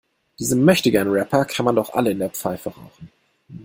Diese Möchtegern-Rapper kann man doch alle in der Pfeife rauchen.